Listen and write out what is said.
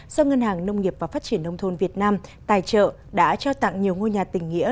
do ngân hàng nông nghiệp và phát triển nông thôn việt nam tài trợ đã trao tặng nhiều ngôi nhà tình nghĩa